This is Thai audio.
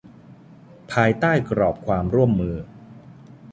ภายใต้กรอบความร่วมมือ